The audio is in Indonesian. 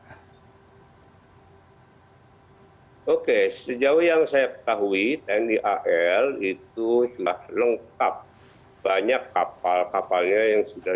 hai oke sejauh yang saya ketahui tni al itu sudah lengkap banyak kapal kapalnya yang sudah